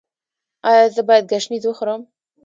ایا زه باید ګشنیز وخورم؟